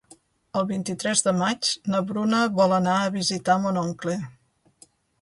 El vint-i-tres de maig na Bruna vol anar a visitar mon oncle.